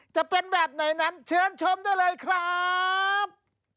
จะเป็นแบบไหนนั้นเชิญชมได้เลยครับ